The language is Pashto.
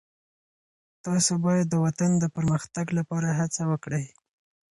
تاسو باید د وطن د پرمختګ لپاره هڅه وکړئ.